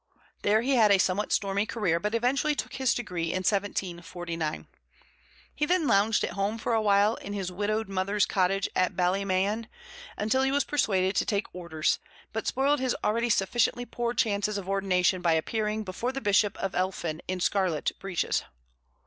There he had a somewhat stormy career, but eventually took his degree in 1749. He then lounged at home for a while in his widowed mother's cottage at Ballymahon, until he was persuaded to take orders, but spoiled his already sufficiently poor chances of ordination by appearing before the bishop of Elphin in scarlet breeches.